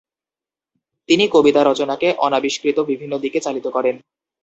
তিনি কবিতা রচনাকে অনাবিষ্কৃত বিভিন্ন দিকে চালিত করেন।